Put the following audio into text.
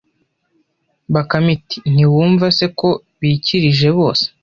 Bakame iti Ntiwumva se ko bikirije bose